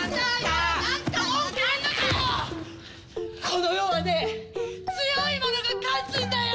この世はね強い者が勝つんだよ！